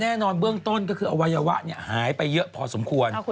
แน่นอนเบื้องต้นก็คืออวัยวะหายไปเยอะพอสมควร